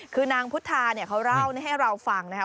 คือนางพุทธาเขาเล่าให้เราฟังนะค่ะ